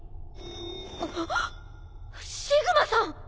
あっシグマさん！